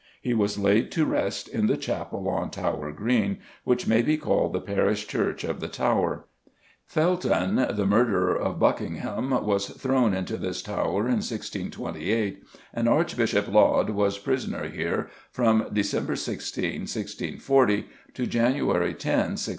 He was laid to rest in the Chapel on Tower Green, which may be called the parish church of the Tower. Felton, the murderer of Buckingham, was thrown into this tower in 1628 and Archbishop Laud was prisoner here from December 16, 1640, to January 10, 1644.